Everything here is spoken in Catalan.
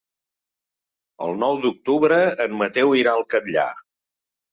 El nou d'octubre en Mateu irà al Catllar.